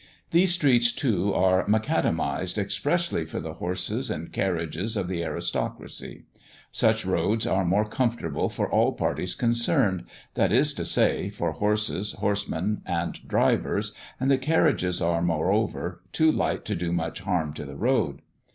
These streets, too, are macadamized expressly for the horses and carriages of the aristocracy; such roads are more comfortable for all parties concerned, that is to say, for horses, horsemen, and drivers, and the carriages are, moreover, too light to do much harm to the road.